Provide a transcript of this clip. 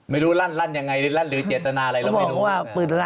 ไม่รู้ลั่นยังไงลั่นหรือเจตนาอะไรเราไม่รู้